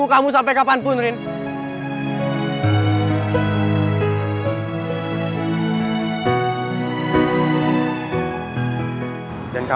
kamu mau berima aku apa adanya